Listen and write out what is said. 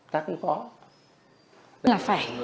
chắc cũng có